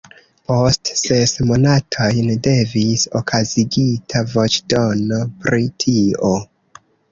Post ses monatojn devis okazigita voĉdono pri tio.